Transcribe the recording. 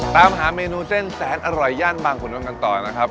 ตามหาเมนูเส้นแสนอร่อยย่านบางขุนนท์กันต่อนะครับ